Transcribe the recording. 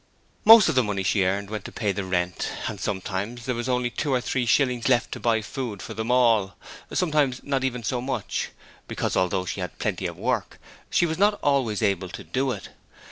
Most of the money she earned went to pay the rent, and sometimes there was only two or three shillings left to buy food for all of them: sometimes not even so much, because although she had Plenty of Work she was not always able to do it.